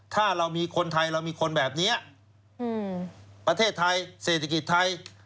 ถ้าเรามีคนไทยเรามีคนแบบนี้ประเทศไทยเศรษฐกิจไทย